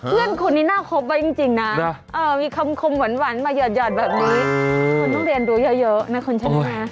เพื่อนคนนี้น่าครบไว้จริงนะมีคำคมหวานมาหยอดแบบนี้คนต้องเรียนรู้เยอะนะคุณชนะ